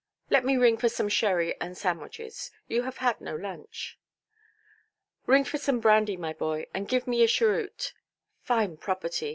Let me ring for some sherry and sandwiches; you have had no lunch". "Ring for some brandy, my boy; and give me a cheroot. Fine property!